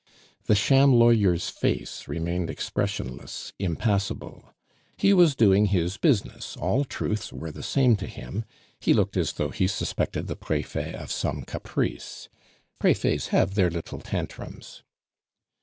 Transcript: The sham lawyer's face remained expressionless, impassible; he was doing his business, all truths were the same to him, he looked as though he suspected the Prefet of some caprice. Prefets have their little tantrums.